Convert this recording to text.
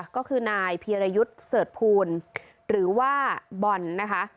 ก็คือนายเพียรยุทธ์เสิร์ชภูลหรือว่าบอลนะคะ